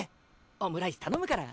オムライス頼むから。